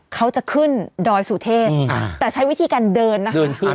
เขาจะขึ้นดอยสุเทพแต่ใช้วิธีการเดินนะคะ